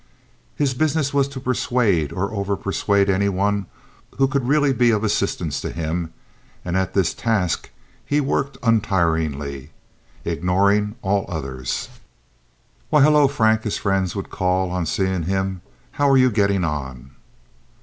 His business was to persuade or over persuade any one who could really be of assistance to him, and at this task he worked untiringly, ignoring all others. "Why, hello, Frank," his friends would call, on seeing him. "How are you getting on?"